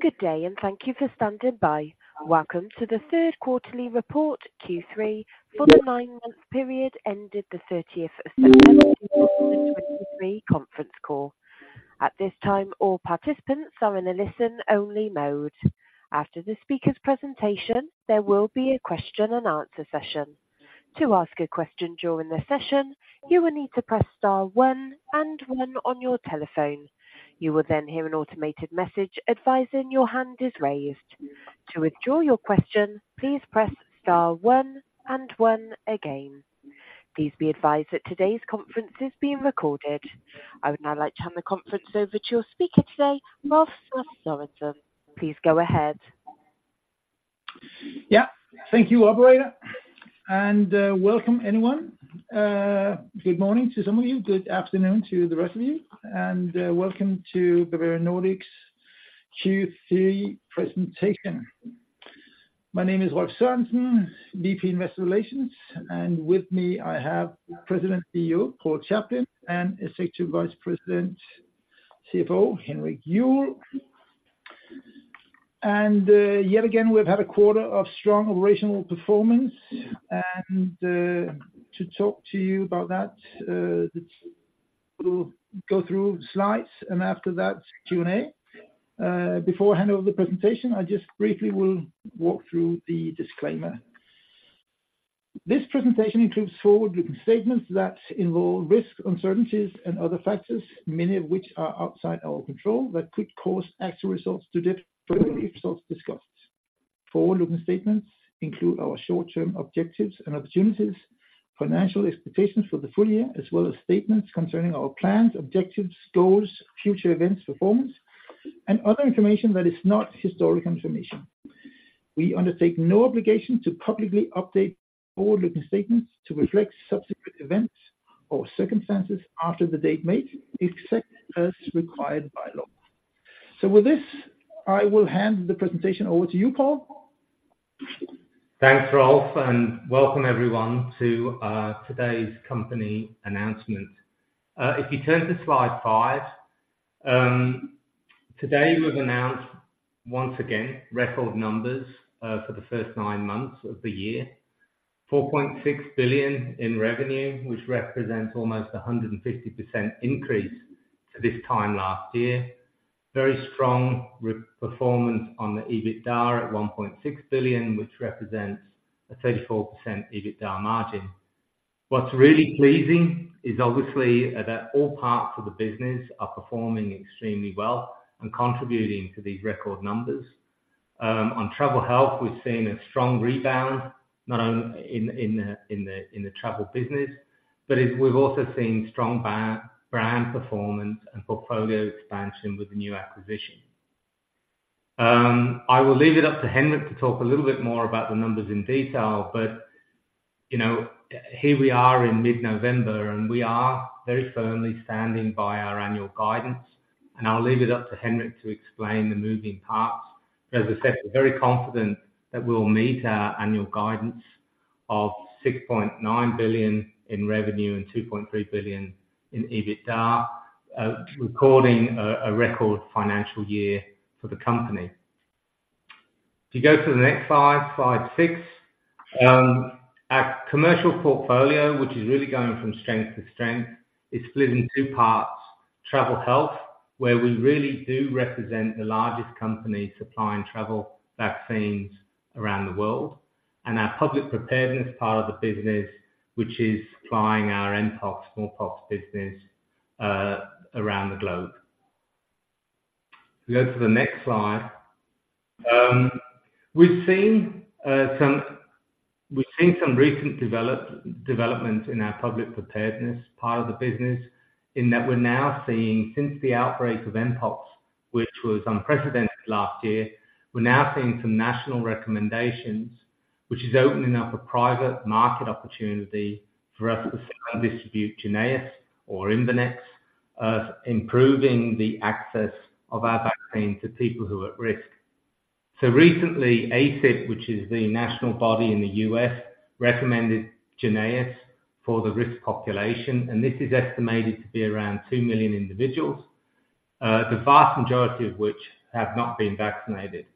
Good day, and thank you for standing by. Welcome to the third quarterly report, Q3, for the nine-month period ended the 30th of September 2023 conference call. At this time, all participants are in a listen-only mode. After the speaker's presentation, there will be a question and answer session. To ask a question during the session, you will need to press star one and one on your telephone. You will then hear an automated message advising your hand is raised. To withdraw your question, please press star one and one again. Please be advised that today's conference is being recorded. I would now like to hand the conference over to your speaker today, Rolf Sørensen. Please go ahead. Yeah. Thank you, operator, and welcome, everyone. Good morning to some of you, good afternoon to the rest of you, and welcome to Bavarian Nordic's Q3 presentation. My name is Rolf Sørensen, VP, Investor Relations, and with me, I have President and CEO, Paul Chaplin, and Executive Vice President, CFO, Henrik Juuel. Yet again, we've had a quarter of strong operational performance, and to talk to you about that, we'll go through slides, and after that, Q&A. Before I hand over the presentation, I just briefly will walk through the disclaimer. This presentation includes forward-looking statements that involve risks, uncertainties, and other factors, many of which are outside our control, that could cause actual results to differ from results discussed. Forward-looking statements include our short-term objectives and opportunities, financial expectations for the full year, as well as statements concerning our plans, objectives, goals, future events, performance, and other information that is not historical information. We undertake no obligation to publicly update forward-looking statements to reflect subsequent events or circumstances after the date made, except as required by law. With this, I will hand the presentation over to you, Paul. Thanks, Rolf, and welcome everyone to today's company announcement. If you turn to slide five, today we've announced once again record numbers for the first nine months of the year. 4.6 billion in revenue, which represents almost 150% increase to this time last year. Very strong performance on the EBITDA at 1.6 billion, which represents a 34% EBITDA margin. What's really pleasing is obviously that all parts of the business are performing extremely well and contributing to these record numbers. On Travel Health, we've seen a strong rebound, not only in the travel business, but we've also seen strong brand performance and portfolio expansion with the new acquisition. I will leave it up to Henrik to talk a little bit more about the numbers in detail, but, you know, here we are in mid-November, and we are very firmly standing by our annual guidance, and I'll leave it up to Henrik to explain the moving parts. But as I said, we're very confident that we'll meet our annual guidance of 6.9 billion in revenue and 2.3 billion in EBITDA, recording a record financial year for the company. If you go to the next slide, slide six. Our commercial portfolio, which is really going from strength to strength, is split in two parts: Travel Health, where we really do represent the largest company supplying travel vaccines around the world, and our Public Preparedness part of the business, which is supplying our mpox, smallpox business around the globe. If you go to the next slide. We've seen some recent development in our Public Preparedness part of the business, in that we're now seeing since the outbreak of mpox, which was unprecedented last year, we're now seeing some national recommendations, which is opening up a private market opportunity for us to distribute JYNNEOS or IMVANEX, improving the access of our vaccine to people who are at risk. So recently, ACIP, which is the national body in the U.S., recommended JYNNEOS for the risk population, and this is estimated to be around 2 million individuals, the vast majority of which have not been vaccinated.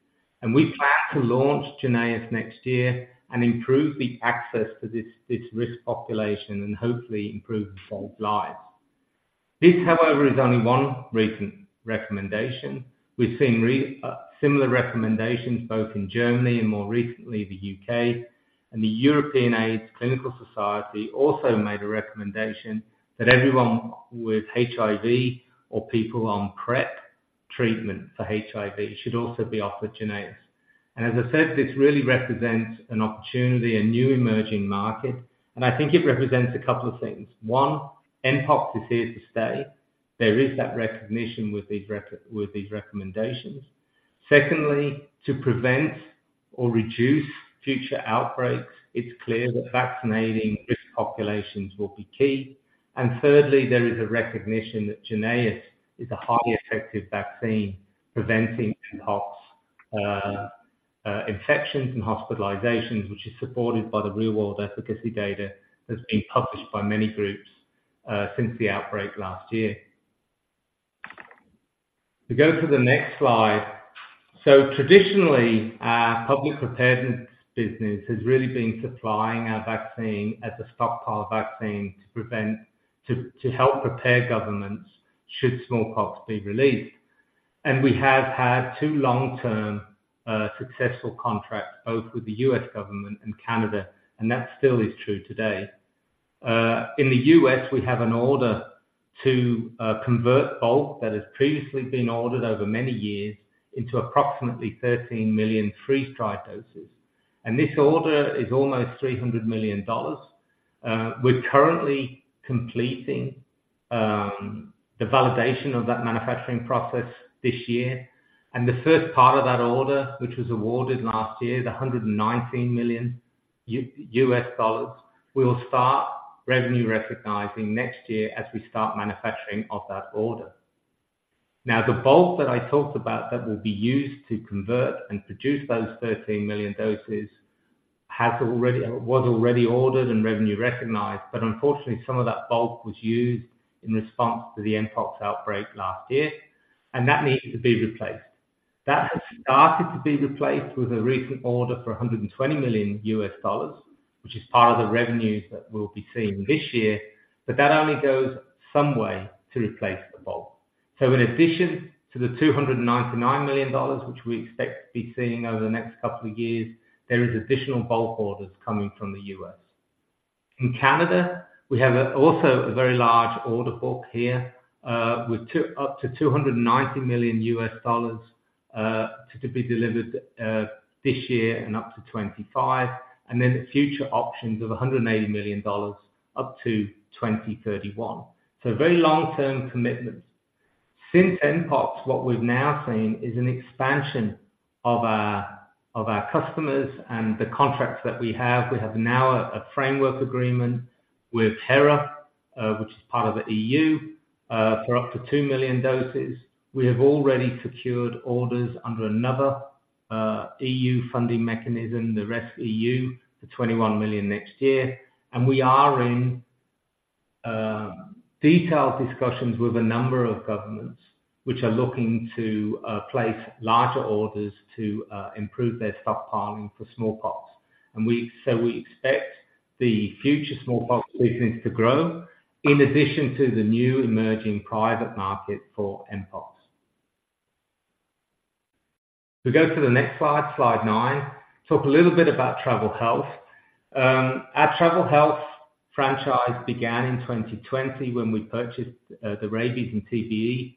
We plan to launch JYNNEOS next year and improve the access to this, this risk population and hopefully improve people's lives. This, however, is only one recent recommendation. We've seen similar recommendations both in Germany and more recently, the U.K., and the European AIDS Clinical Society also made a recommendation that everyone with HIV or people on PrEP treatment for HIV should also be offered JYNNEOS. And as I said, this really represents an opportunity, a new emerging market, and I think it represents a couple of things. One, mpox is here to stay. There is that recognition with these recommendations. Secondly, to prevent or reduce future outbreaks, it's clear that vaccinating risk populations will be key. And thirdly, there is a recognition that JYNNEOS is a highly effective vaccine preventing mpox infections and hospitalizations, which is supported by the real-world efficacy data that's been published by many groups since the outbreak last year. To go to the next slide. So traditionally, our public preparedness business has really been supplying our vaccine as a stockpile vaccine to prevent to help prepare governments should smallpox be released. And we have had two long-term successful contracts, both with the U.S. government and Canada, and that still is true today. In the U.S., we have an order to convert bulk that has previously been ordered over many years into approximately 13 million freeze-dried doses, and this order is almost $300 million. We're currently completing the validation of that manufacturing process this year, and the first part of that order, which was awarded last year, $119 million U.S. dollars, we will start revenue recognizing next year as we start manufacturing of that order. Now, the bulk that I talked about that will be used to convert and produce those 13 million doses was already ordered and revenue recognized, but unfortunately, some of that bulk was used in response to the mpox outbreak last year, and that needs to be replaced. That has started to be replaced with a recent order for $120 million, which is part of the revenues that we'll be seeing this year, but that only goes some way to replace the bulk. So in addition to the $299 million, which we expect to be seeing over the next couple of years, there is additional bulk orders coming from the U.S. In Canada, we have also a very large order book here, with up to $290 million to be delivered this year and up to 25, and then future options of $180 million up to 2031. So very long-term commitments. Since mpox, what we've now seen is an expansion of our customers and the contracts that we have. We have now a framework agreement with HERA, which is part of the EU, for up to 2 million doses. We have already secured orders under another EU funding mechanism, the rescEU, for 21 million next year, and we are in detailed discussions with a number of governments, which are looking to place larger orders to improve their stockpiling for smallpox. We expect the future smallpox business to grow in addition to the new emerging private market for mpox. We go to the next slide, slide nine. Talk a little bit about travel health. Our travel health franchise began in 2020, when we purchased the rabies and TBE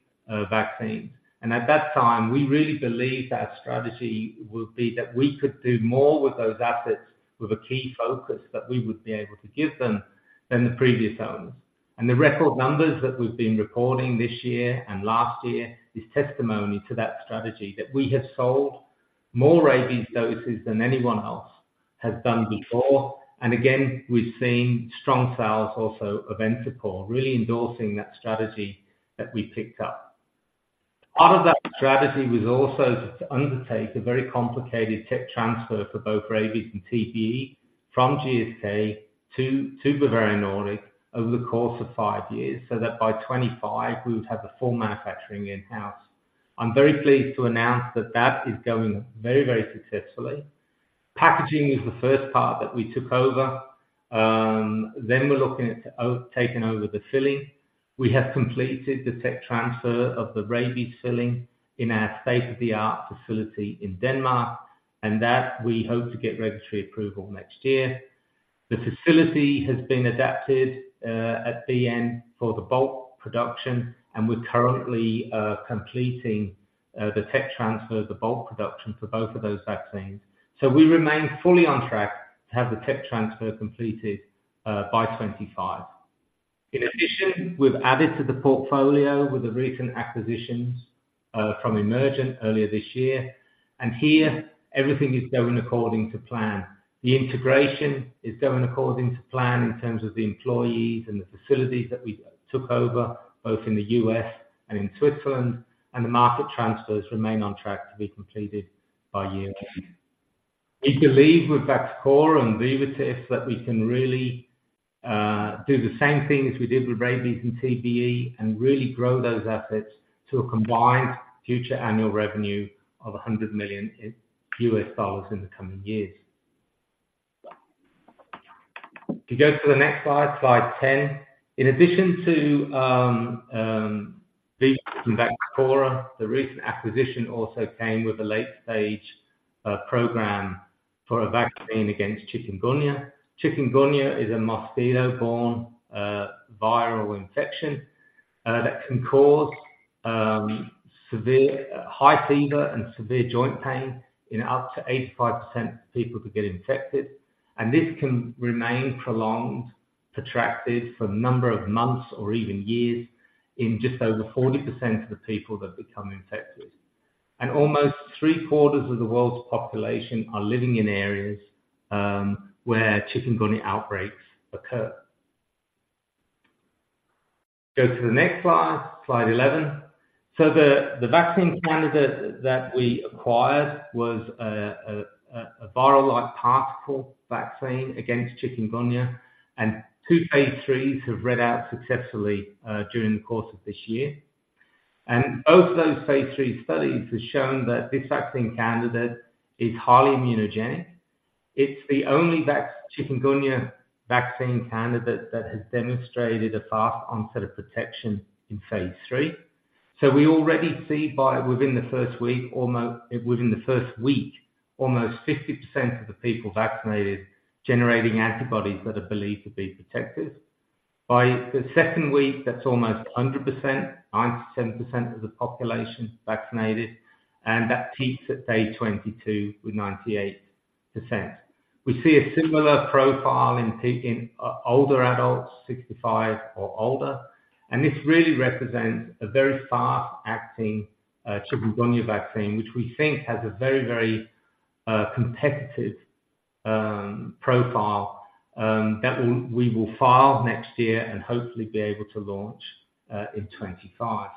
vaccine. At that time, we really believed our strategy would be that we could do more with those assets, with a key focus that we would be able to give them than the previous owners. The record numbers that we've been recording this year and last year is testimony to that strategy, that we have sold more rabies doses than anyone else has done before. Again, we've seen strong sales also of Encepur, really endorsing that strategy that we picked up. Part of that strategy was also to undertake a very complicated tech transfer for both rabies and TBE from GSK to Bavarian Nordic over the course of five years, so that by 2025, we would have the full manufacturing in-house. I'm very pleased to announce that that is going very, very successfully. Packaging is the first part that we took over. Then we're looking at taking over the filling. We have completed the tech transfer of the rabies filling in our state-of-the-art facility in Denmark, and that we hope to get regulatory approval next year. The facility has been adapted at the end for the bulk production, and we're currently completing the tech transfer, the bulk production for both of those vaccines. We remain fully on track to have the tech transfer completed by 2025. In addition, we've added to the portfolio with the recent acquisitions from Emergent earlier this year, and here everything is going according to plan. The integration is going according to plan in terms of the employees and the facilities that we took over, both in the U.S. and in Switzerland, and the market transfers remain on track to be completed by year end. We believe with Vaxchora and Vivotif, that we can really do the same thing as we did with rabies and TBE, and really grow those assets to a combined future annual revenue of $100 million in the coming years. If you go to the next slide, slide 10. In addition to Vaxchora, the recent acquisition also came with a late-stage program for a vaccine against chikungunya. Chikungunya is a mosquito-borne viral infection that can cause severe high fever and severe joint pain in up to 85% of people who get infected. And this can remain prolonged, protracted for a number of months or even years in just over 40% of the people that become infected. And almost three-quarters of the world's population are living in areas where chikungunya outbreaks occur. Go to the next slide, slide 11. So the vaccine candidate that we acquired was a virus-like particle vaccine against chikungunya, and two phase IIIs have read out successfully during the course of this year. And both those phase III studies have shown that this vaccine candidate is highly immunogenic. It's the only chikungunya vaccine candidate that has demonstrated a fast onset of protection in phase III. So we already see within the first week, almost 50% of the people vaccinated, generating antibodies that are believed to be protective. By the second week, that's almost 100%, 90%-100% of the population vaccinated, and that peaks at day 22 with 98%. We see a similar profile in older adults, 65 or older, and this really represents a very fast-acting chikungunya vaccine, which we think has a very, very competitive profile that we will file next year and hopefully be able to launch in 2025.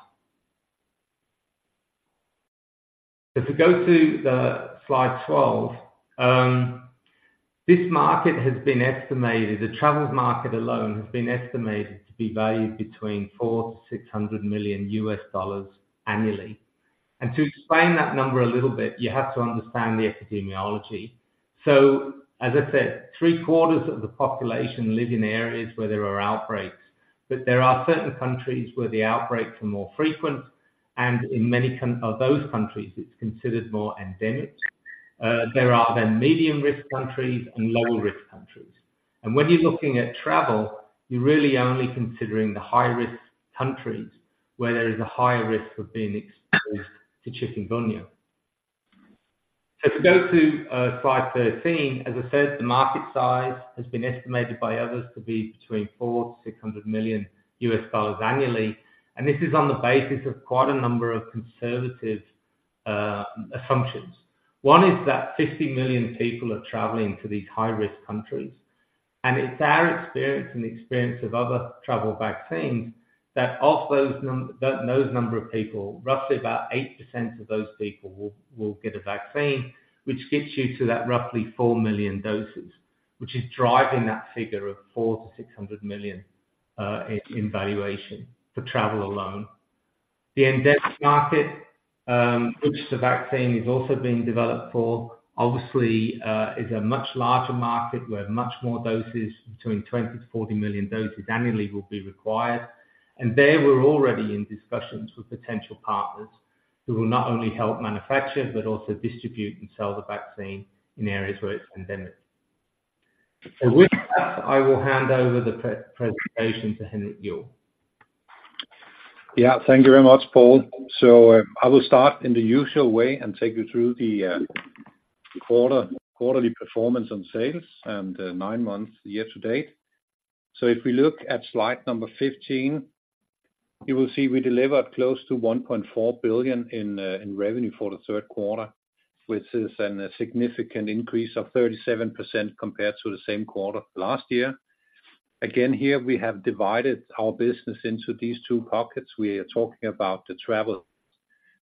If we go to slide 12, this market has been estimated, the travel market alone has been estimated to be valued between $400 million-$600 million annually. To explain that number a little bit, you have to understand the epidemiology. So as I said, three-quarters of the population live in areas where there are outbreaks, but there are certain countries where the outbreaks are more frequent, and in many of those countries, it's considered more endemic. There are then medium-risk countries and lower-risk countries. And when you're looking at travel, you're really only considering the high-risk countries where there is a higher risk of being exposed to chikungunya. So if you go to slide 13, as I said, the market size has been estimated by others to be between $400 million-$600 million annually, and this is on the basis of quite a number of conservative assumptions. One is that 50 million people are traveling to these high-risk countries, and it's our experience and the experience of other travel vaccines, that of those that number of people, roughly about 8% of those people will get a vaccine, which gets you to that roughly 4 million doses. Which is driving that figure of $400 million-$600 million in valuation for travel alone. The endemic market, which the vaccine is also being developed for, obviously, is a much larger market, where much more doses, between 20 million-40 million doses annually, will be required. There, we're already in discussions with potential partners who will not only help manufacture, but also distribute and sell the vaccine in areas where it's endemic. And with that, I will hand over the presentation to Henrik Juuel. Yeah, thank you very much, Paul. So, I will start in the usual way and take you through the, quarter, quarterly performance on sales and, nine months year to date. So if we look at slide number 15, you will see we delivered close to 1.4 billion in, in revenue for the third quarter, which is a significant increase of 37% compared to the same quarter last year. Again, here we have divided our business into these two pockets. We are talking about the travel,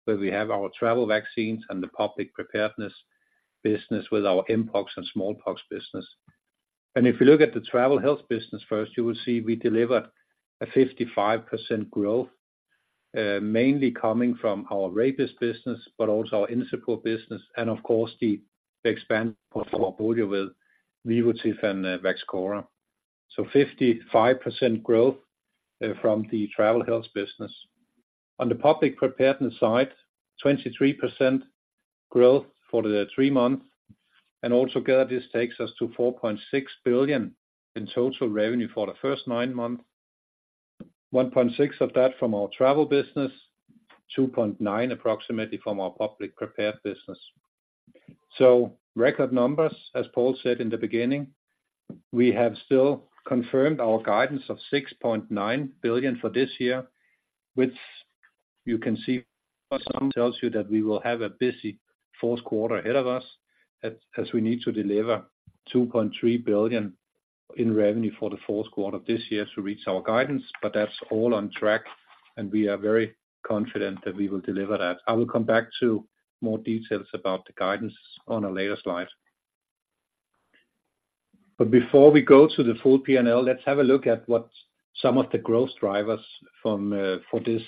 where we have our travel vaccines and the public preparedness business with our mpox and smallpox business. If you look at the travel health business first, you will see we delivered a 55% growth, mainly coming from our rabies business, but also our Encepur business and of course, the expansion of our portfolio with Vivotif and Vaxchora. So 55% growth from the travel health business. On the public preparedness side, 23% growth for the three months, and altogether, this takes us to 4.6 billion in total revenue for the first nine months. 1.6 billion of that from our travel business, approximately DKK 2.9 billion from our public preparedness business. Record numbers, as Paul said in the beginning, we have still confirmed our guidance of 6.9 billion for this year, which you can see tells you that we will have a busy fourth quarter ahead of us, as we need to deliver 2.3 billion in revenue for the fourth quarter of this year to reach our guidance. That's all on track, and we are very confident that we will deliver that. I will come back to more details about the guidance on a later slide. Before we go to the full P&L, let's have a look at what some of the growth drivers from for this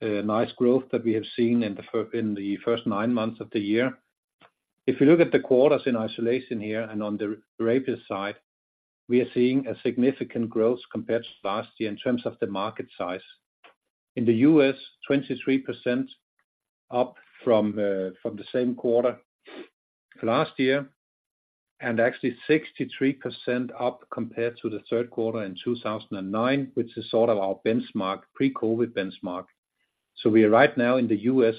nice growth that we have seen in the first nine months of the year. If you look at the quarters in isolation here, and on the rabies side, we are seeing a significant growth compared to last year in terms of the market size. In the U.S., 23% up from from the same quarter last year, and actually 63% up compared to the third quarter in 2019, which is sort of our benchmark, pre-COVID benchmark. So we are right now in the U.S.,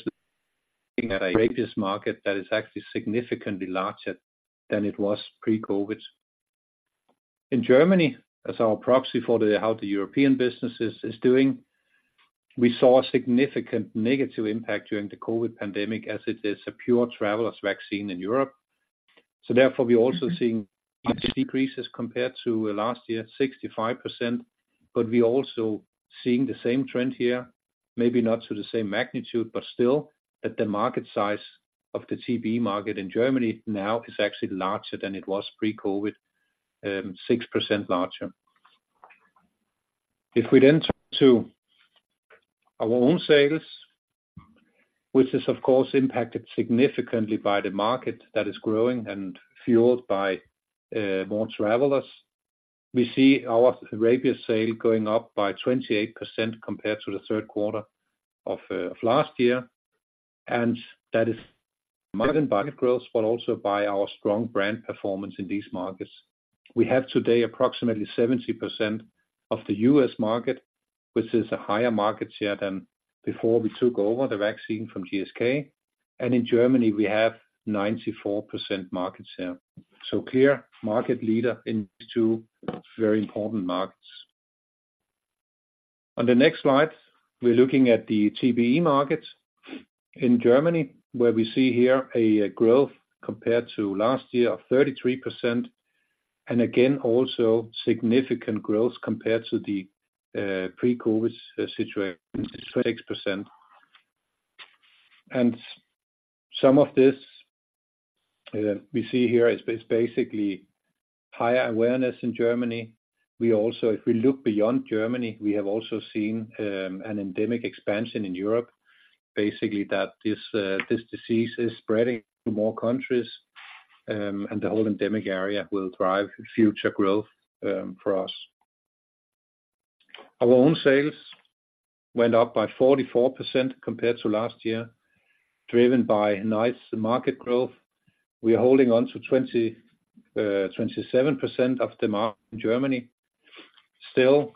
looking at a rabies market that is actually significantly larger than it was pre-COVID. In Germany, as our proxy for how the European business is doing, we saw a significant negative impact during the COVID pandemic, as it is a pure travelers vaccine in Europe. So therefore, we're also seeing decreases compared to last year, 65%. But we're also seeing the same trend here, maybe not to the same magnitude, but still that the market size of the TBE market in Germany now is actually larger than it was pre-COVID, 6% larger. If we then turn to our own sales, which is, of course, impacted significantly by the market that is growing and fueled by more travelers, we see our rabies sales going up by 28% compared to the third quarter of last year. And that is market growth, but also by our strong brand performance in these markets. We have today approximately 70% of the U.S. market, which is a higher market share than before we took over the vaccine from GSK. And in Germany, we have 94% market share. So clear market leader in two very important markets. On the next slide, we're looking at the TBE market in Germany, where we see here a growth compared to last year of 33%, and again, also significant growth compared to the pre-COVID situation, 26%. And some of this we see here is basically higher awareness in Germany. We also, if we look beyond Germany, we have also seen an endemic expansion in Europe. Basically, that this disease is spreading to more countries, and the whole endemic area will drive future growth for us. Our own sales went up by 44% compared to last year, driven by nice market growth. We are holding on to 27% of the market in Germany. Still,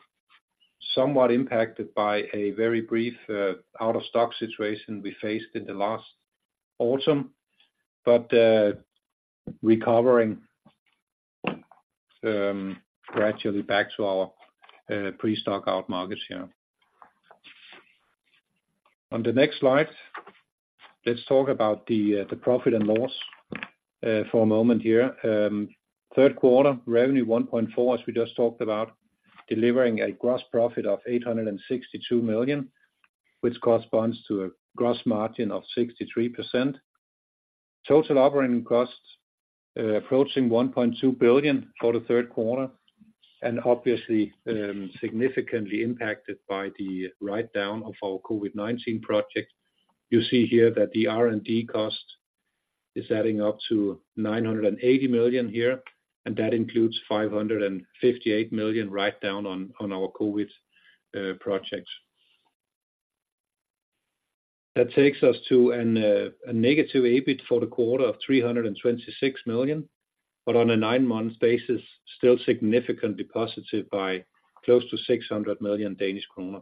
somewhat impacted by a very brief, out-of-stock situation we faced in the last autumn, but, recovering, gradually back to our, pre-stock out market share. On the next slide, let's talk about the, the profit and loss, for a moment here. Third quarter, revenue 1.4 billion, as we just talked about, delivering a gross profit of 862 million, which corresponds to a gross margin of 63%. Total operating costs, approaching 1.2 billion for the third quarter, and obviously, significantly impacted by the write-down of our COVID-19 project. You see here that the R&D cost is adding up to 980 million here, and that includes 558 million write-down on, on our COVID, projects. That takes us to a negative EBIT for the quarter of 326 million, but on a nine-month basis, still significantly positive by close to 600 million Danish kroner.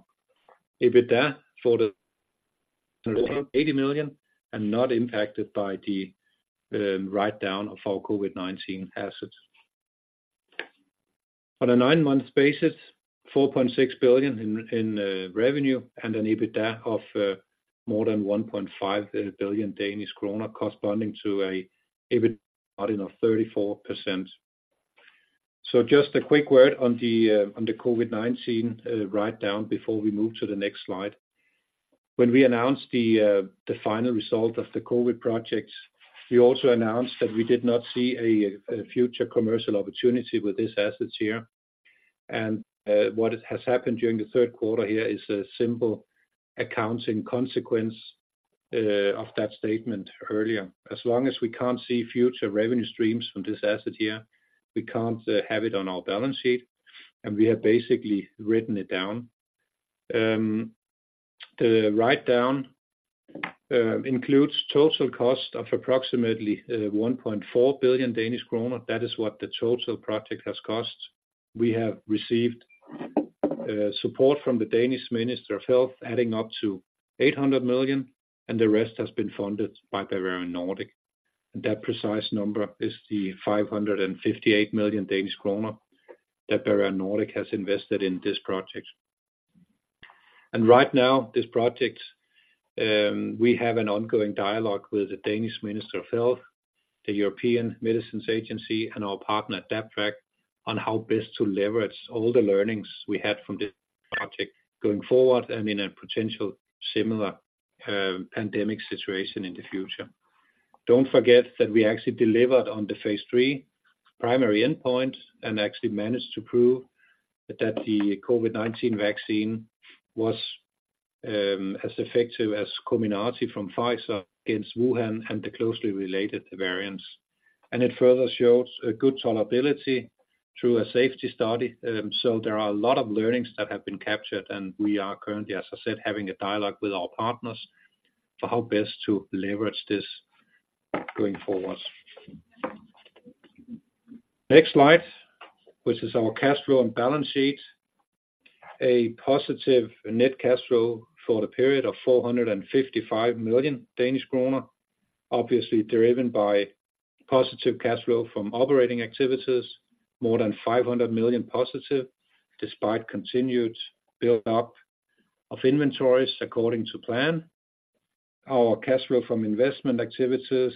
EBITDA for the 80 million and not impacted by the write-down of our COVID-19 assets. On a nine-month basis, 4.6 billion in revenue, and an EBITDA of more than 1.5 billion Danish kroner, corresponding to an EBITDA margin of 34%. So just a quick word on the COVID-19 write-down before we move to the next slide. When we announced the final result of the COVID projects, we also announced that we did not see a future commercial opportunity with these assets here. What has happened during the third quarter here is a simple accounting consequence of that statement earlier. As long as we can't see future revenue streams from this asset here, we can't have it on our balance sheet, and we have basically written it down. The write-down includes total cost of approximately 1.4 billion Danish kroner. That is what the total project has cost. We have received support from the Danish Minister of Health, adding up to 800 million, and the rest has been funded by Bavarian Nordic. That precise number is the 558 million Danish kroner that Bavarian Nordic has invested in this project. Right now, this project, we have an ongoing dialogue with the Danish Minister of Health, the European Medicines Agency, and our partner at AdaptVac, on how best to leverage all the learnings we had from this project going forward, I mean, a potential similar pandemic situation in the future. Don't forget that we actually delivered on the phase III primary endpoint and actually managed to prove that the COVID-19 vaccine was as effective as Comirnaty from Pfizer against Wuhan and the closely related variants. It further shows a good tolerability through a safety study. So there are a lot of learnings that have been captured, and we are currently, as I said, having a dialogue with our partners on how best to leverage this going forward. Next slide, which is our cash flow and balance sheet. A positive net cash flow for the period of 455 million Danish kroner, obviously driven by positive cash flow from operating activities, more than 500 million positive, despite continued build-up of inventories according to plan. Our cash flow from investment activities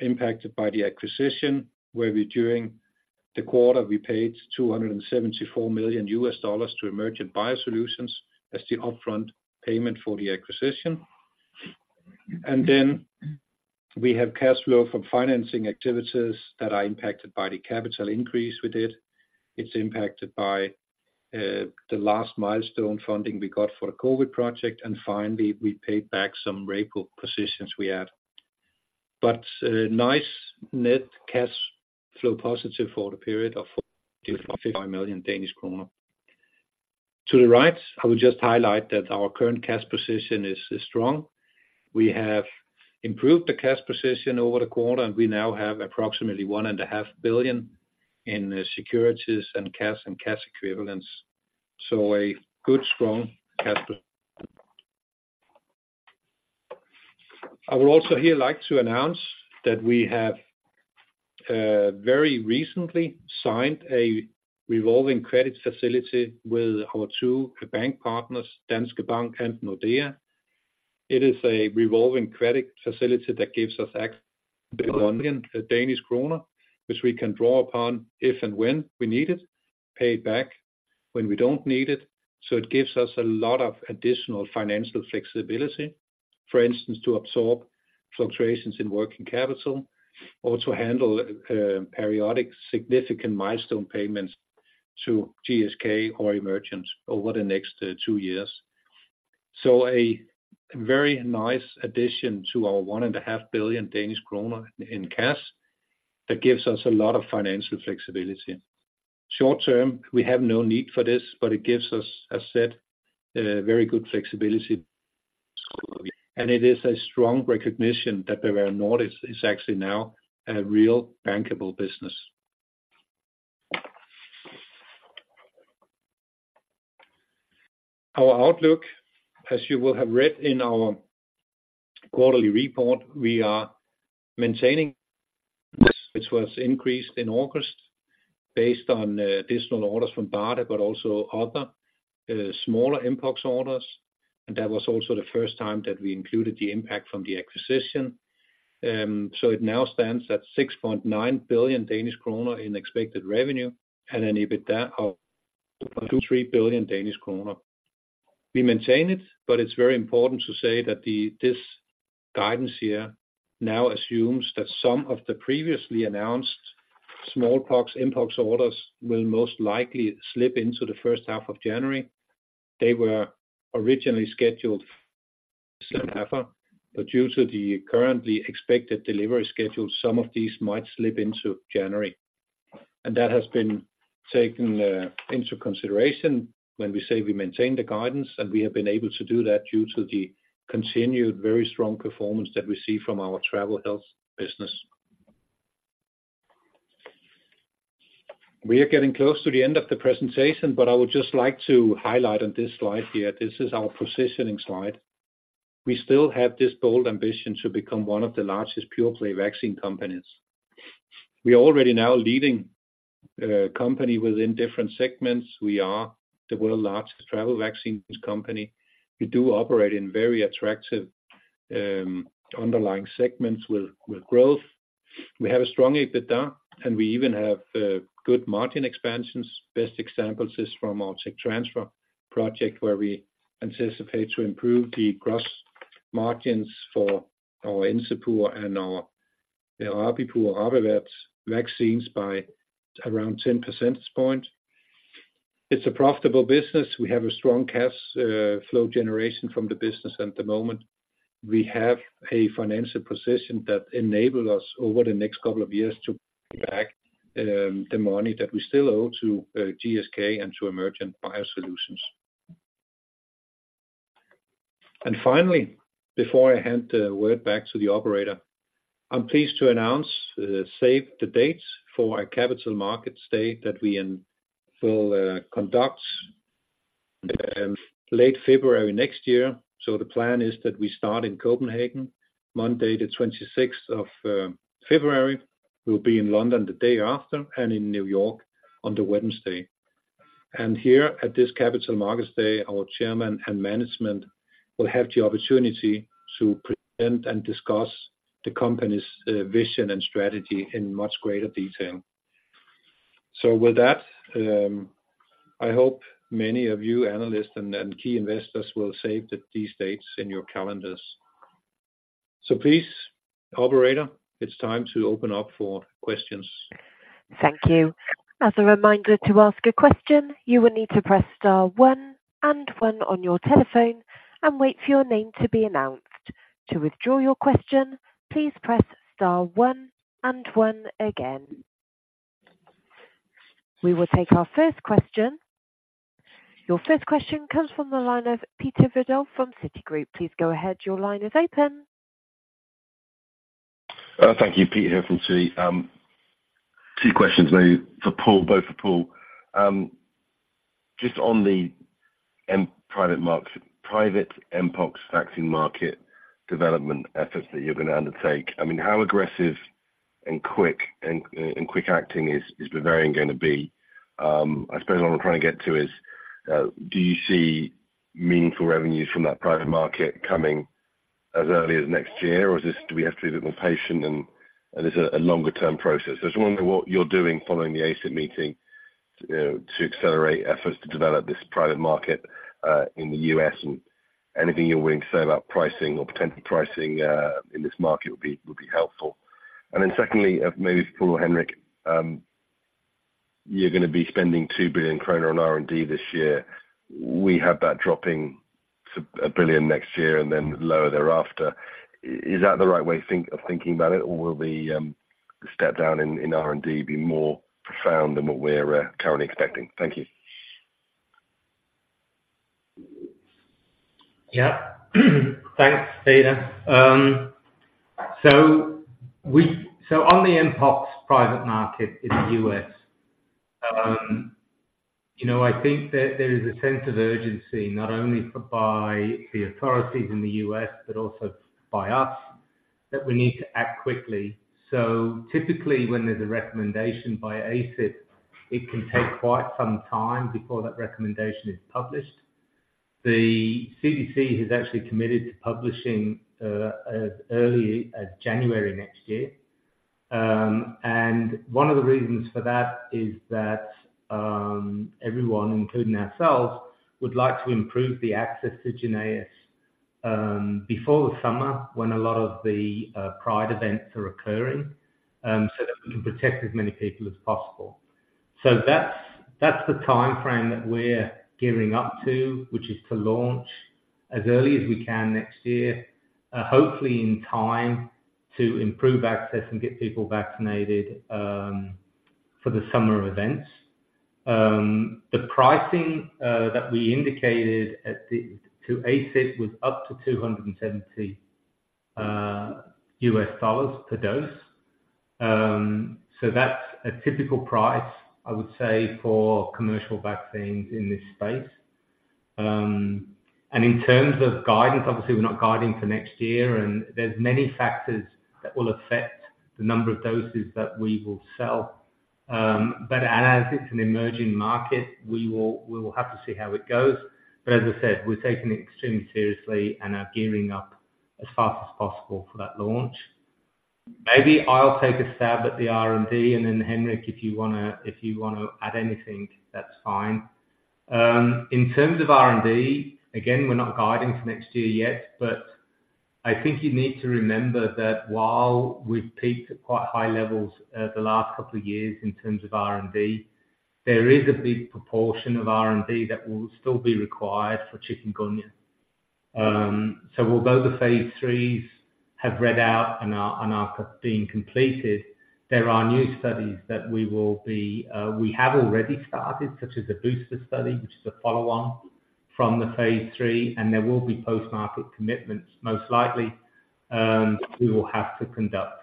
impacted by the acquisition, where we, during the quarter, we paid $274 million to Emergent BioSolutions as the upfront payment for the acquisition. And then we have cash flow from financing activities that are impacted by the capital increase we did. It's impacted by, the last milestone funding we got for the COVID project, and finally, we paid back some repo positions we had. But a nice net cash flow positive for the period of 45 million Danish kroner. To the right, I would just highlight that our current cash position is, is strong. We have improved the cash position over the quarter, and we now have approximately 1.5 billion in securities and cash and cash equivalents. So a good, strong capital. I would also here like to announce that we have very recently signed a revolving credit facility with our two bank partners, Danske Bank and Nordea. It is a revolving credit facility that gives us access to 1 billion Danish kroner, which we can draw upon if and when we need it, pay it back when we don't need it. So it gives us a lot of additional financial flexibility. For instance, to absorb fluctuations in working capital, also handle periodic significant milestone payments to GSK or Emergent over the next two years. So a very nice addition to our 1.5 billion Danish kroner in cash, that gives us a lot of financial flexibility. Short-term, we have no need for this, but it gives us, as said, a very good flexibility. And it is a strong recognition that Bavarian Nordic is actually now a real bankable business. Our outlook, as you will have read in our quarterly report, we are maintaining, which was increased in August, based on additional orders from BARDA, but also other smaller mpox orders. And that was also the first time that we included the impact from the acquisition. So it now stands at 6.9 billion Danish kroner in expected revenue and an EBITDA of 2.23 billion Danish kroner. We maintain it, but it's very important to say that this guidance here now assumes that some of the previously announced smallpox and mpox orders will most likely slip into the first half of January. They were originally scheduled for December, but due to the currently expected delivery schedule, some of these might slip into January. And that has been taken into consideration when we say we maintain the guidance, and we have been able to do that due to the continued very strong performance that we see from our travel health business. We are getting close to the end of the presentation, but I would just like to highlight on this slide here. This is our positioning slide. We still have this bold ambition to become one of the largest pure-play vaccine companies. We are already now leading company within different segments. We are the world's largest travel vaccines company. We do operate in very attractive underlying segments with growth. We have a strong EBITDA, and we even have good margin expansions. Best examples is from our tech transfer project, where we anticipate to improve the gross margins for our Encepur and our Rabipur rabies vaccines by around 10 percentage points. It's a profitable business. We have a strong cash flow generation from the business at the moment. We have a financial position that enable us over the next couple of years to pay back the money that we still owe to GSK and to Emergent BioSolutions. Finally, before I hand the word back to the operator, I'm pleased to announce save the dates for our capital markets day that we will conduct in late February next year. So the plan is that we start in Copenhagen, Monday, the twenty-sixth of February. We'll be in London the day after and in New York on the Wednesday. And here, at this Capital Markets Day, our chairman and management will have the opportunity to present and discuss the company's vision and strategy in much greater detail. So with that, I hope many of you analysts and key investors will save these dates in your calendars. So please, operator, it's time to open up for questions. Thank you. As a reminder, to ask a question, you will need to press star one and one on your telephone and wait for your name to be announced. To withdraw your question, please press star one and one again. We will take our first question. Your first question comes from the line of Peter Verdult from Citigroup. Please go ahead. Your line is open. Thank you, Pete here from Citi.... Two questions maybe for Paul, both for Paul. Just on the mpox private market, private mpox vaccine market development efforts that you're gonna undertake. I mean, how aggressive and quick and quick acting is Bavarian going to be? I suppose what I'm trying to get to is, do you see meaningful revenues from that private market coming as early as next year, or is this - do we have to be a little bit more patient and is it a longer-term process? I just wonder what you're doing following the ACIP meeting, you know, to accelerate efforts to develop this private market in the U.S., and anything you're willing to say about pricing or potential pricing in this market would be helpful. Then secondly, maybe for Paul or Henrik, you're gonna be spending 2 billion kroner on R&D this year. We have that dropping to 1 billion next year and then lower thereafter. Is that the right way, think, of thinking about it, or will the step down in R&D be more profound than what we're currently expecting? Thank you. Yeah. Thanks, Peter. So on the mpox private market in the U.S., you know, I think that there is a sense of urgency, not only by the authorities in the U.S., but also by us, that we need to act quickly. So typically, when there's a recommendation by ACIP, it can take quite some time before that recommendation is published. The CDC has actually committed to publishing as early as January next year. And one of the reasons for that is that everyone, including ourselves, would like to improve the access to JYNNEOS before the summer when a lot of the pride events are occurring, so that we can protect as many people as possible. So that's the timeframe that we're gearing up to, which is to launch as early as we can next year, hopefully in time to improve access and get people vaccinated for the summer events. The pricing that we indicated to ACIP was up to $270 per dose. So that's a typical price, I would say, for commercial vaccines in this space. And in terms of guidance, obviously, we're not guiding for next year, and there's many factors that will affect the number of doses that we will sell. But as it's an emerging market, we will, we will have to see how it goes. But as I said, we're taking it extremely seriously and are gearing up as fast as possible for that launch. Maybe I'll take a stab at the R&D, and then, Henrik, if you wanna, if you wanna add anything, that's fine. In terms of R&D, again, we're not guiding for next year yet, but I think you need to remember that while we've peaked at quite high levels over the last couple of years in terms of R&D, there is a big proportion of R&D that will still be required for Chikungunya. So although the phase IIIs have read out and are being completed, there are new studies that we have already started, such as a booster study, which is a follow on from the phase III, and there will be post-market commitments, most likely, we will have to conduct.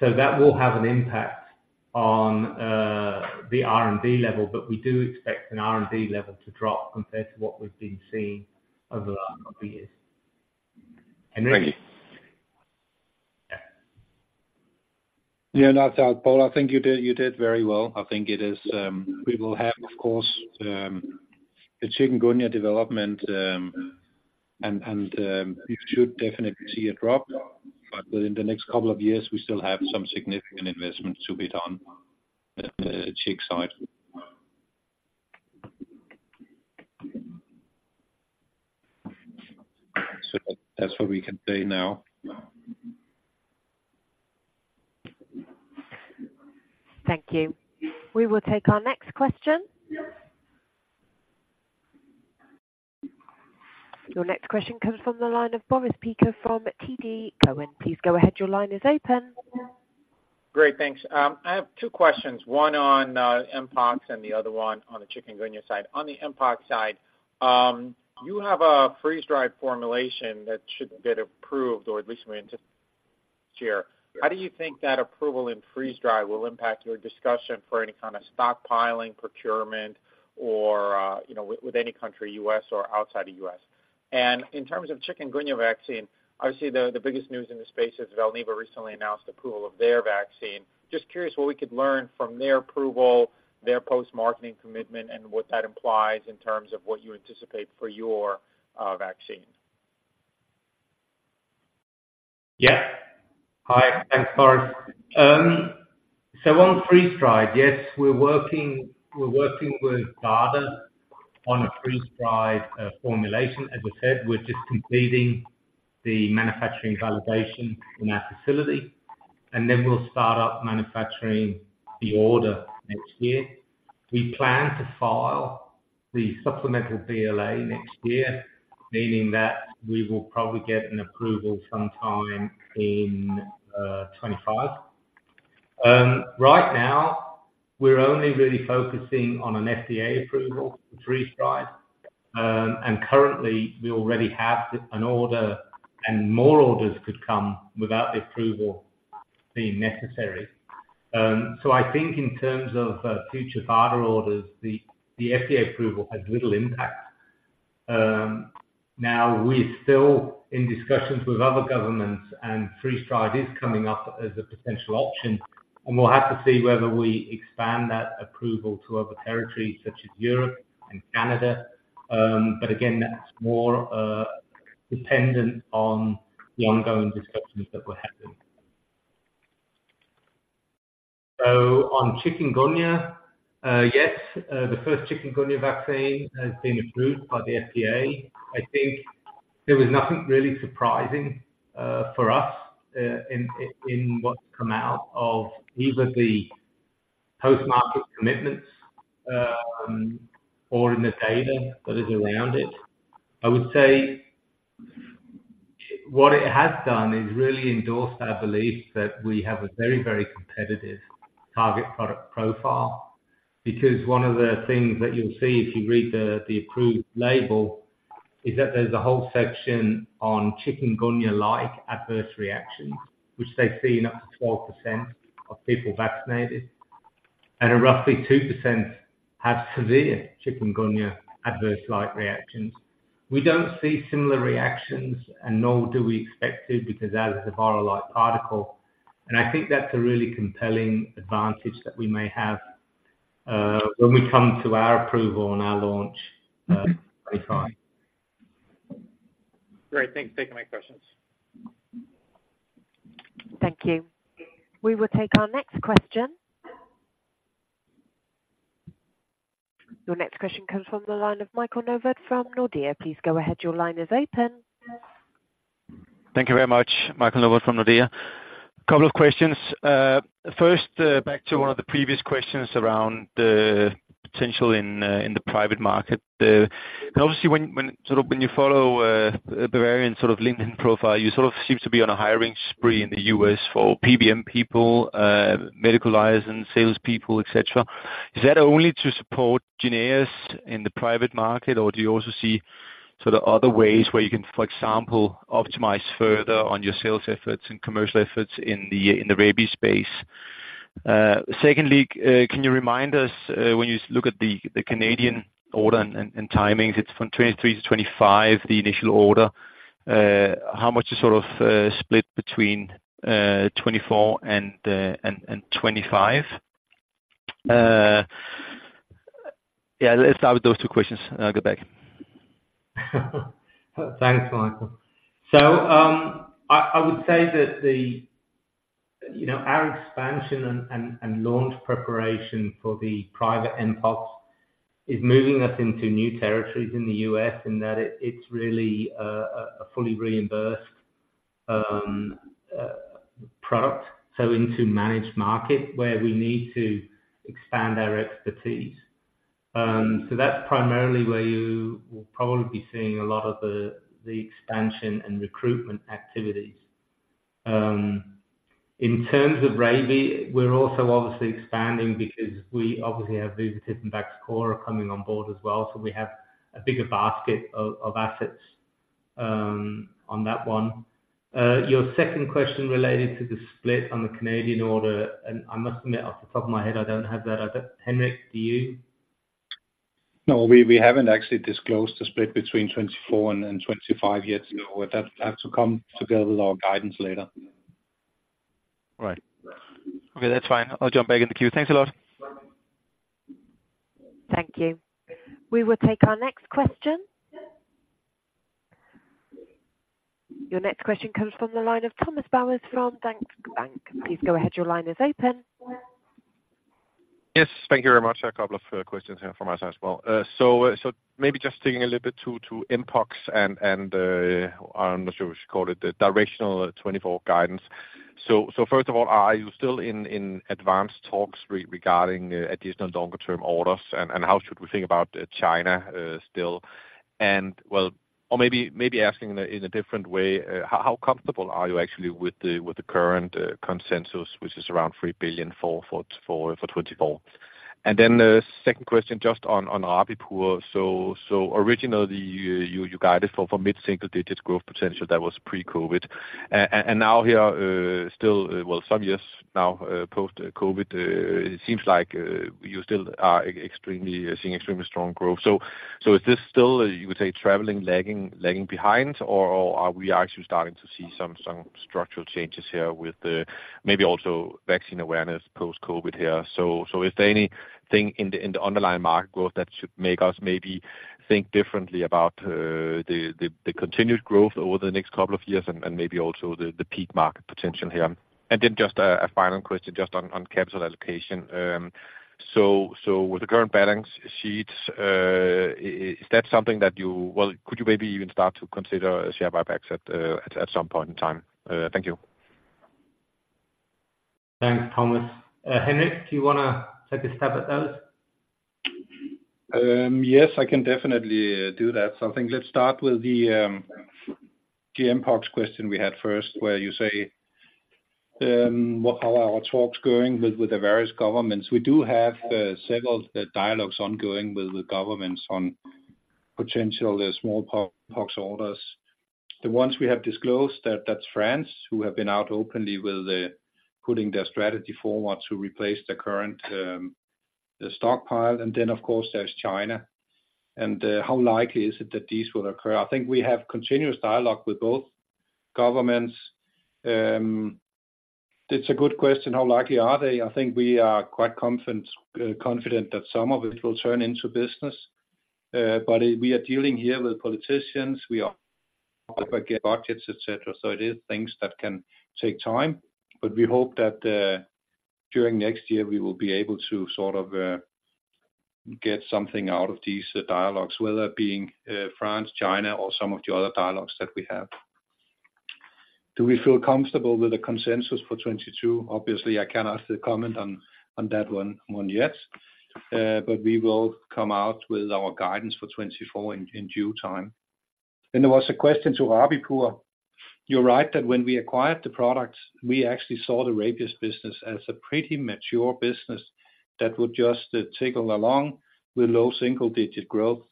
So that will have an impact on the R&D level, but we do expect an R&D level to drop compared to what we've been seeing over the last couple of years. Henrik? Yeah, no, Paul, I think you did very well. I think it is, we will have, of course, the Chikungunya development, and we should definitely see a drop. But within the next couple of years, we still have some significant investments to be done, Chikungunya side. So that's what we can say now. Thank you. We will take our next question. Your next question comes from the line of Boris Peaker from TD Cowen. Please go ahead. Your line is open. Great, thanks. I have two questions, one on mpox and the other one on the chikungunya side. On the mpox side, you have a freeze-dried formulation that should get approved, or at least we anticipate this year. How do you think that approval in freeze-dried will impact your discussion for any kind of stockpiling, procurement, or, you know, with any country, U.S. or outside the U.S.? And in terms of chikungunya vaccine, obviously, the biggest news in this space is Valneva recently announced approval of their vaccine. Just curious what we could learn from their approval, their post-marketing commitment, and what that implies in terms of what you anticipate for your vaccine. Yeah. Hi, thanks, Boris. So on freeze-dried, yes, we're working, we're working with the FDA on a freeze-dried formulation. As I said, we're just completing the manufacturing validation in our facility, and then we'll start up manufacturing the order next year. We plan to file the supplemental BLA next year, meaning that we will probably get an approval sometime in 25. Right now, we're only really focusing on an FDA approval for freeze-dried. And currently we already have an order, and more orders could come without the approval being necessary. So I think in terms of future BARDA orders, the FDA approval has little impact. Now we're still in discussions with other governments, and freeze-dried is coming up as a potential option, and we'll have to see whether we expand that approval to other territories, such as Europe and Canada. But again, that's more dependent on the ongoing discussions that we're having. So on chikungunya, yes, the first chikungunya vaccine has been approved by the FDA. I think there was nothing really surprising for us in what's come out of either the post-market commitments or in the data that is around it. I would say, what it has done is really endorsed our belief that we have a very, very competitive target product profile, because one of the things that you'll see if you read the approved label, is that there's a whole section on chikungunya-like adverse reactions, which they've seen up to 12% of people vaccinated, and roughly 2% have severe chikungunya adverse-like reactions. We don't see similar reactions, and nor do we expect to, because that is a viral-like particle, and I think that's a really compelling advantage that we may have, when we come to our approval and our launch, in time. Great. Thanks for taking my questions. Thank you. We will take our next question. Your next question comes from the line of Michael Novod from Nordea. Please go ahead. Your line is open. Thank you very much, Michael Novod from Nordea. Couple of questions. First, back to one of the previous questions around the potential in the private market. Obviously, when you follow Bavarian sort of LinkedIn profile, you sort of seem to be on a hiring spree in the U.S. for PBM people, medical liaison, salespeople, et cetera. Is that only to support Jynneos in the private market, or do you also see sort of other ways where you can, for example, optimize further on your sales efforts and commercial efforts in the rabies space? Secondly, can you remind us, when you look at the Canadian order and timings, it's from 2023 to 2025, the initial order. How much is sort of split between 2024 and 2025? Yeah, let's start with those two questions, and I'll get back. Thanks, Michael. So, I would say that, you know, our expansion and launch preparation for the private mpox is moving us into new territories in the US, and that it, it's really a fully reimbursed product, so into managed market where we need to expand our expertise. So that's primarily where you will probably be seeing a lot of the expansion and recruitment activities. In terms of rabies, we're also obviously expanding because we obviously have Vivotif and Vaxchora coming on board as well, so we have a bigger basket of assets on that one. Your second question related to the split on the Canadian order, and I must admit, off the top of my head, I don't have that. I don't... Henrik, do you? No, we haven't actually disclosed the split between 2024 and 2025 yet, so that'll have to come together with our guidance later. Right. Okay, that's fine. I'll jump back in the queue. Thanks a lot. Thank you. We will take our next question. Your next question comes from the line of Thomas Bowers from Danske Bank. Please go ahead. Your line is open. Yes, thank you very much. A couple of questions here from us as well. So, maybe just digging a little bit to mpox and, I'm not sure what you call it, the directional 2024 guidance. So, first of all, are you still in advanced talks regarding additional longer term orders? And, how should we think about China still? And well, or maybe asking in a different way, how comfortable are you actually with the current consensus, which is around 3 billion for 2024? And then the second question, just on Rabipur. So, originally, you guided for mid-single digits growth potential, that was pre-COVID. And now here, still, well, some years now, post-COVID, it seems like you still are seeing extremely strong growth. So, is this still, you would say, traveling lagging behind, or are we actually starting to see some structural changes here with the maybe also vaccine awareness post-COVID here? So, is there anything in the underlying market growth that should make us maybe think differently about the continued growth over the next couple of years and maybe also the peak market potential here? And then just a final question, just on capital allocation. So, with the current balance sheets, is that something that you... Well, could you maybe even start to consider share buybacks at some point in time? Thank you. Thanks, Thomas. Henrik, do you wanna take a stab at those? Yes, I can definitely do that. So I think let's start with the mpox question we had first, how are our talks going with the various governments? We do have several dialogues ongoing with the governments on potential smallpox orders. The ones we have disclosed, that's France, who have been out openly with putting their strategy forward to replace the current stockpile. And then, of course, there's China. And how likely is it that these will occur? I think we have continuous dialogue with both governments. It's a good question, how likely are they? I think we are quite confident that some of it will turn into business. But we are dealing here with politicians. We are budgets, et cetera, so it is things that can take time. But we hope that, during next year, we will be able to sort of get something out of these dialogues, whether it being France, China, or some of the other dialogues that we have. Do we feel comfortable with the consensus for 2022? Obviously, I cannot comment on that one yet. But we will come out with our guidance for 2024 in due time. Then there was a question to Rabipur. You're right that when we acquired the product, we actually saw the Rabies business as a pretty mature business that would just tickle along with low single-digit growth.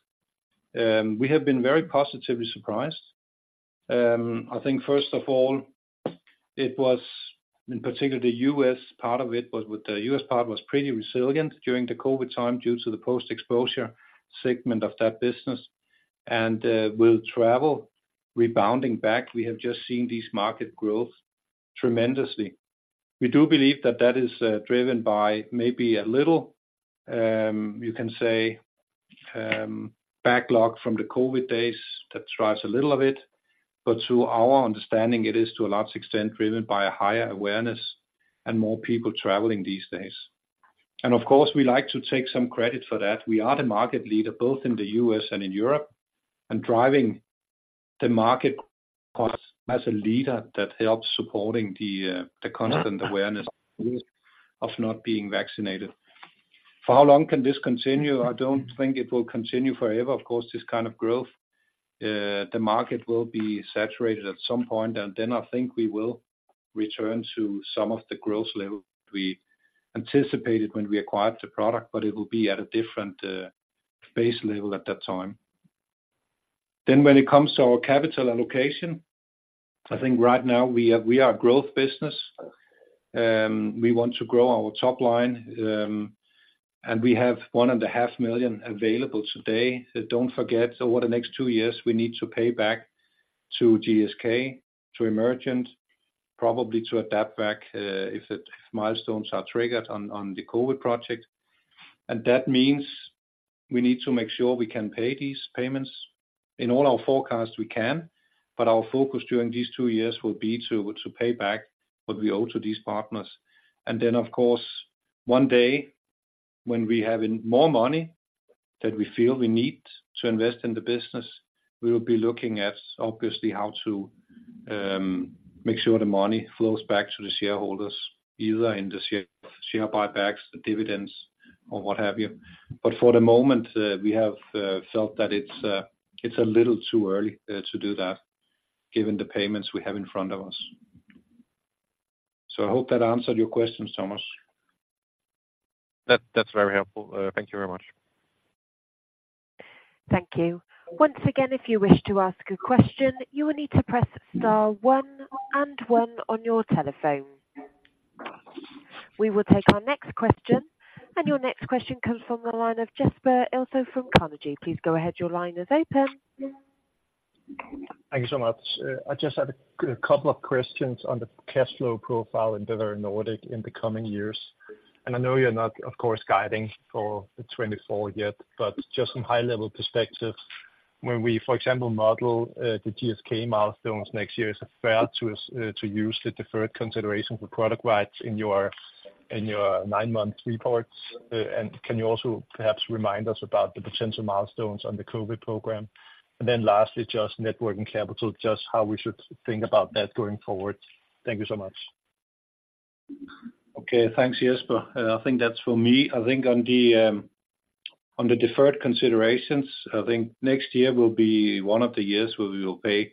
We have been very positively surprised. I think first of all, it was in particular the U.S. part of it that was pretty resilient during the COVID time due to the post-exposure segment of that business. With travel rebounding back, we have just seen these market growth tremendously. We do believe that that is driven by maybe a little, you can say, backlog from the COVID days. That drives a little of it, but to our understanding, it is to a large extent driven by a higher awareness and more people traveling these days. And of course, we like to take some credit for that. We are the market leader, both in the U.S. and in Europe, and driving the market as a leader that helps supporting the constant awareness of not being vaccinated. For how long can this continue? I don't think it will continue forever. Of course, this kind of growth, the market will be saturated at some point, and then I think we will return to some of the growth levels we anticipated when we acquired the product, but it will be at a different base level at that time. Then, when it comes to our capital allocation, I think right now we are, we are a growth business. We want to grow our top line, and we have 1.5 million available today. Don't forget, over the next two years, we need to pay back to GSK, to Emergent, probably to AdaptVac, if the milestones are triggered on, on the COVID project. And that means we need to make sure we can pay these payments. In all our forecasts, we can, but our focus during these two years will be to pay back what we owe to these partners. And then, of course, one day, when we have more money that we feel we need to invest in the business, we will be looking at, obviously, how to make sure the money flows back to the shareholders, either in the share buybacks, the dividends, or what have you. But for the moment, we have felt that it's a little too early to do that, given the payments we have in front of us. So I hope that answered your question, Thomas. That, that's very helpful. Thank you very much. Thank you. Once again, if you wish to ask a question, you will need to press star one and one on your telephone. We will take our next question, and your next question comes from the line of Jesper Ilsø from Carnegie. Please go ahead. Your line is open. Thank you so much. I just have a couple of questions on the cash flow profile in Bavarian Nordic in the coming years. I know you're not, of course, guiding for 2024 yet, but just some high-level perspectives. When we, for example, model the GSK milestones next year, is it fair to use the deferred consideration for product rights in your nine-month reports? And can you also perhaps remind us about the potential milestones on the COVID program? And then lastly, just net working capital, just how we should think about that going forward. Thank you so much. Okay. Thanks, Jesper. I think that's for me. I think on the deferred considerations, I think next year will be one of the years where we will pay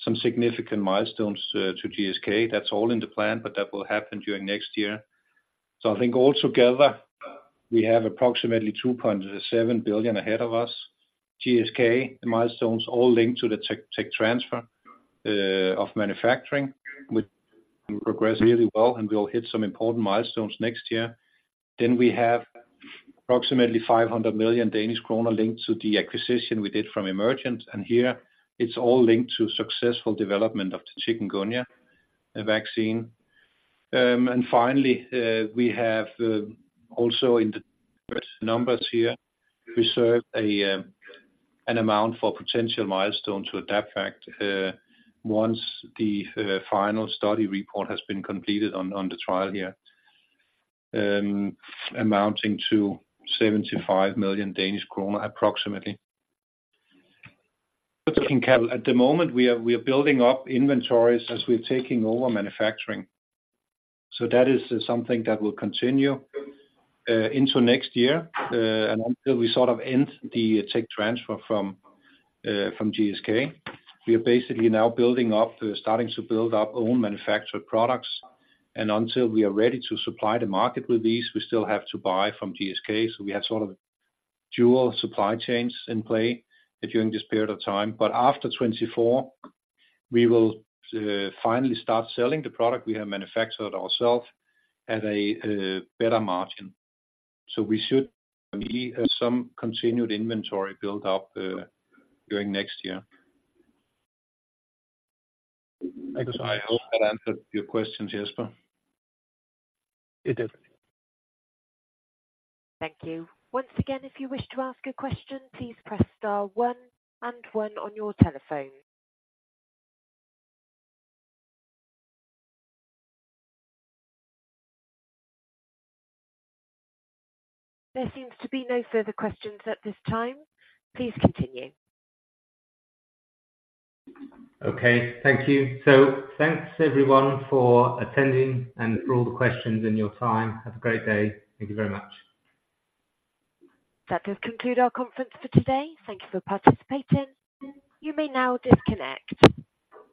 some significant milestones to GSK. That's all in the plan, but that will happen during next year. So I think altogether, we have approximately 2.7 billion ahead of us. GSK, the milestones all link to the Tech transfer of manufacturing, which progress really well, and we'll hit some important milestones next year. Then we have approximately 500 million Danish kroner linked to the acquisition we did from Emergent, and here it's all linked to successful development of the Chikungunya vaccine. And finally, we have also in the numbers here reserved an amount for potential milestones to AdaptVac once the final study report has been completed on the trial here, amounting to DKK 75 million, approximately. Looking at the moment, we are building up inventories as we're taking over manufacturing. So that is something that will continue into next year, and until we sort of end the tech transfer from GSK. We are basically now building up, starting to build our own manufactured products, and until we are ready to supply the market with these, we still have to buy from GSK. So we have sort of dual supply chains in play during this period of time. But after 2024, we will finally start selling the product we have manufactured ourselves at a better margin. So we should see some continued inventory build up during next year. Thank you so much. I hope that answered your questions, Jesper. It did. Thank you. Once again, if you wish to ask a question, please press star one and one on your telephone. There seems to be no further questions at this time. Please continue. Okay, thank you. So thanks, everyone, for attending and for all the questions and your time. Have a great day. Thank you very much. That does conclude our conference for today. Thank you for participating. You may now disconnect.